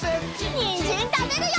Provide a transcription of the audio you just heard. にんじんたべるよ！